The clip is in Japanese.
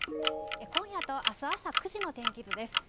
今夜とあす朝９時の天気図です。